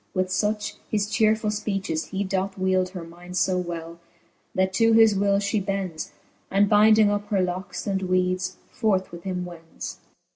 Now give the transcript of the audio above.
With fuch his chearefull {peaches he doth wield Her mind fo well, that to his will fhe bends, And bynding up her locks and weeds, forth with him wends.